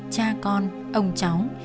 cha con ông cháu